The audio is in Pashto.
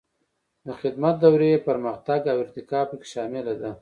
د خدمت دورې پرمختګ او ارتقا پکې شامله ده.